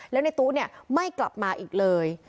แล้วในตู้ไม่กลับมาอีกเลย